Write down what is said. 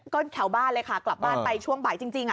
ก็แถวบ้านเลยค่ะกลับบ้านไปช่วงบ่ายจริง